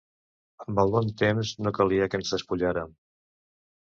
Amb el bon temps, no calia que ens despullàrem.